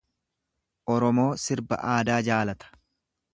Oromoo sirba aadaa jaalata.